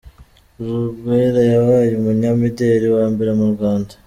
Uwera wabaye umunyamideri wa mbere mu Rwanda